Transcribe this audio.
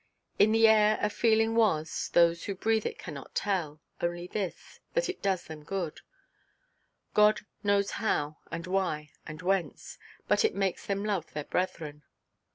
In the air a feeling was—those who breathe it cannot tell—only this, that it does them good; God knows how, and why, and whence—but it makes them love their brethren.